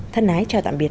thân ái chào tạm biệt